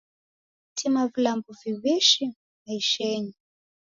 Tima vilambo viwishi maishenyi.